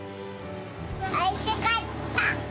おいしかった！